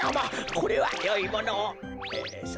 これはよいものを。